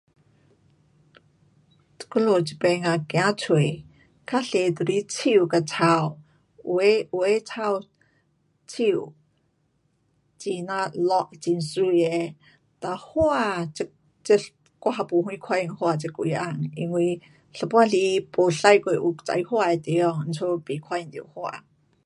我们这边啊走出较多就是树跟草，有的，有的草，树，很呀绿很美的，哒花这，这我还没什看见花这几天。因为有半时没驾过有种花的地方，因此没看见到花。